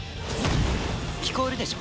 聞こえるでしょ？